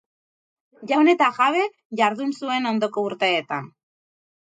Jaun eta jabe jardun zuen ondoko urteetan.